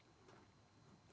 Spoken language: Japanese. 「え？